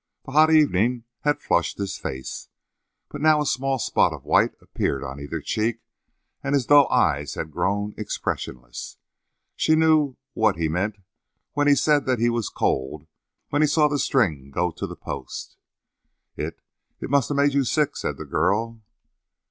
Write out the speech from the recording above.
The hot evening had flushed his face, but now a small spot of white appeared in either cheek, and his dull eyes had grown expressionless. She knew what he meant when he said that he was cold when he saw the string go to the post. "It it must have made you sick!" said the girl.